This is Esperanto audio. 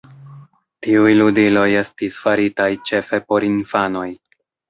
Tiuj ludiloj estis faritaj ĉefe por infanoj.